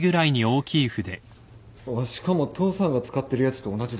あっしかも父さんが使ってるやつと同じだ。